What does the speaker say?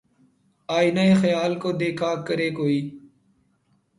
آئینۂ خیال کو دیکھا کرے کوئی